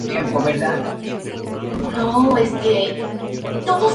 El sanguijuela se alimentaría solo de las escamas y la mucosidad de la piel.